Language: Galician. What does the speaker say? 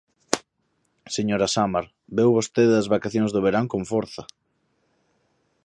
Señora Samar, veu vostede das vacacións de verán con forza.